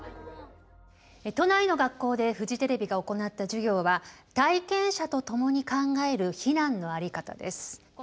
都内の学校でフジテレビが行った授業は体験者と共に考える避難の在り方です。